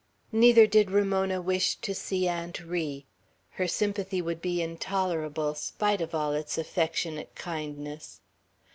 Neither did Ramona wish to see Aunt Ri. Her sympathy would be intolerable, spite of all its affectionate kindliness.